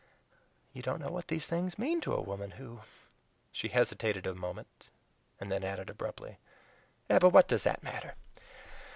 You don't know what these things mean to a woman who" she hesitated a moment, and then added abruptly, "but what does that matter?